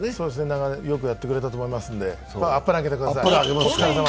長年よくやってくれたと思いますのであっぱれあげてください。